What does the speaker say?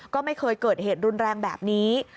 ก็ไม่เคยเกิดเหตุรุนแรงแบบนี้